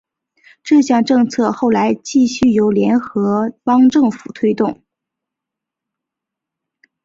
这项政策后来继续由联合邦政府推动。